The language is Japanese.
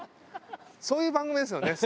そういう番組ですよね。